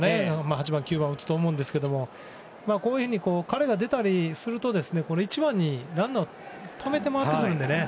８番、９番を打つと思うんですけど彼が出たりすると１番にランナーをためて回ってくるので。